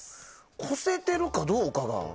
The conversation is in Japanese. こせてるかどうかが。